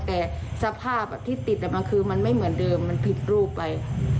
แต่สภาพที่ติดมันคือมันไม่เหมือนเดิมมันผิดรูปไป